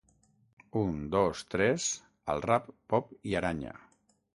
Un, dos, tres, al rap, pop i aranya.